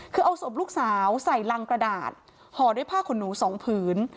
คือเอาศพลูกสาวใส่รังกระดาษห่อด้วยผ้าขนหนูสองผืน